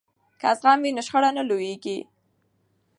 که زغم وي نو شخړه نه لویږي.